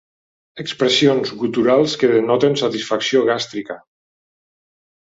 Expressions guturals que denoten satisfacció gàstrica.